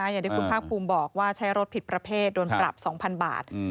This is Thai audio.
อย่างเดี๋ยวกูภาคคลุมบอกว่าใช้รถผิดประเภทโดนปรับ๒๐๐๐บาท